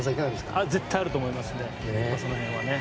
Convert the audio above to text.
絶対あると思いますね。